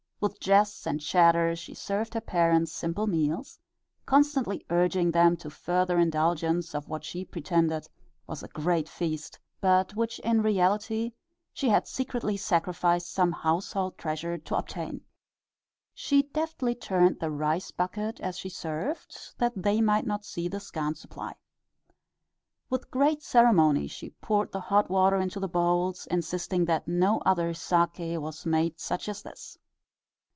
With jests and chatter she served her parents' simple meals, constantly urging them to further indulgence of what she pretended was a great feast, but which in reality she had secretly sacrificed some household treasure to obtain. She deftly turned the rice bucket as she served, that they might not see the scant supply. With great ceremony she poured the hot water into the bowls, insisting that no other sake was made such as this.